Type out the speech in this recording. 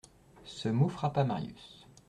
Ce mot frappa Marius.